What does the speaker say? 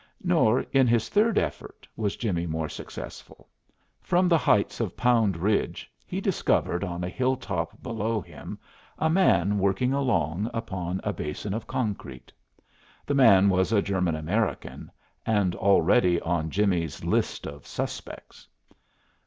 Nor in his third effort was Jimmie more successful. From the heights of Pound Ridge he discovered on a hilltop below him a man working along upon a basin of concrete. The man was a German American, and already on Jimmie's list of "suspects."